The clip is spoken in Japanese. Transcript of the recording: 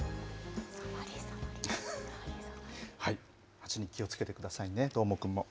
蜂に気をつけてくださいね、どーもくんも。